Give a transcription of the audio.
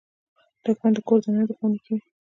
دښمن د کور دننه دښمني کوي